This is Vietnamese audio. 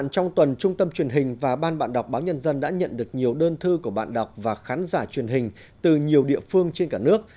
trong tuần trung tâm truyền hình và ban bạn đọc báo nhân dân đã nhận được nhiều đơn thư của bạn đọc và khán giả truyền hình từ nhiều địa phương trên cả nước